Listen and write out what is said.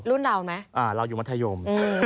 รุ่นเราไหมเราอยู่มัธยม